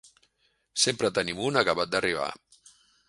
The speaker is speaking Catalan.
Sempre tenim un acabat d'arribar.